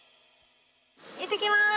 行ってきます！